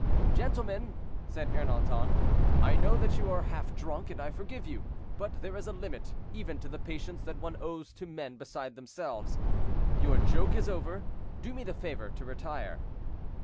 "Gentlemen!" said Ernanton, "I know that you are half drunk, and I forgive you; but there is a limit even to the patience that one owes to men beside themselves; your joke is over, do me the favor to retire."